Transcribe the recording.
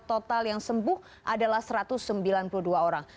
total yang sembuh adalah satu ratus sembilan puluh dua orang